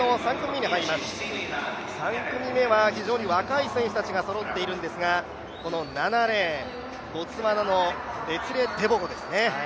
３組目は非常に若い選手たちがそろっているんですが、この７レーン、ボツワナのレツィレ・テボゴですね。